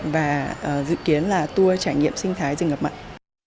và dự kiến là tour trải nghiệm sinh thái rừng ngập mặn